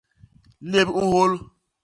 Lép u nhôl.